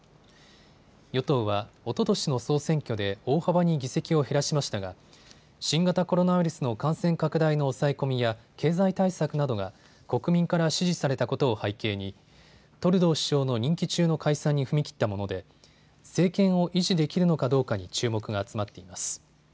与党は、おととしの総選挙で大幅に議席を減らしましたが新型コロナウイルスの感染拡大の抑え込みや経済対策などが国民から支持されたことを背景にトルドー首相の任期中の解散に踏み切ったもので政権の維持できるのかどうかに注目が集まっています。